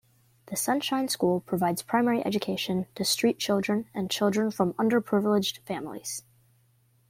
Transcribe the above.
The Sunshine School provides primary education to street children and children from underprivileged families.